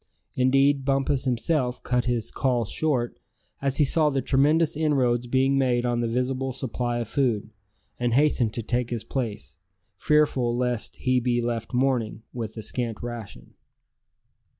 Indeed, Bumpus himself cut his "call" short, as he saw the tremendous inroads being made on the visible supply of food; and hastened to take his place, fearful lest he be left mourning, with a scant ration.